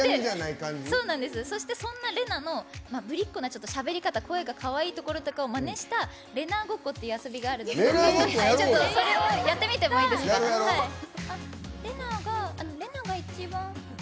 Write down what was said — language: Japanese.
そして、そんなれなぁのぶりっ子なしゃべり方声がかわいいところとかをまねしたれなぁごっこっていう遊びがあるんですけどそれをやってみてもいいですか。